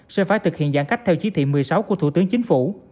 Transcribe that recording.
sẽ phải thực hiện giãn cách theo chí thị một mươi sáu của thủ tướng chính phủ